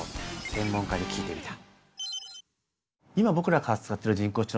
専門家に聞いてみた。